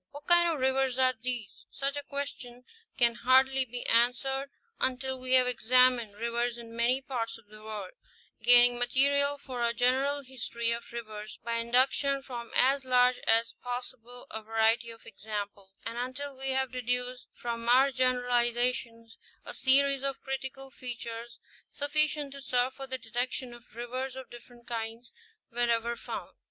What kinds of rivers are these? Such a question can hardly be answered until we have examined rivers in many parts of the world, gaining material for a general history of rivers by induc tion from as large as possible a variety of examples ; and until we have deduced from our generalizations a series of critical features sufficient to serve for the detection of rivers of different kinds wherever found.